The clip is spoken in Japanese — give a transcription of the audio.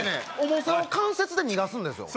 重さを関節で逃がすんですよ